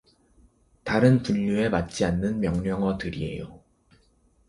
다른 분류에 맞지 않는 명령어들이에요.